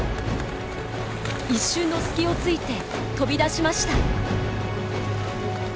一瞬の隙をついて飛び出しました。